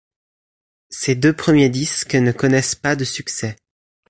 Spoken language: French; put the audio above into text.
Ses deux premiers disques ne connaissent pas de succès.